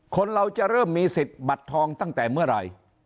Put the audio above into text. คนเราจะเริ่มมีสิทธิ์บัตรทองตั้งแต่เมื่อไหร่